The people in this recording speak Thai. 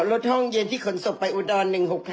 เอ่อรถห้องเย็นที่ขนศพไปอุดร๑๖๕๑๘๕